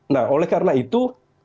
nah oleh karena itu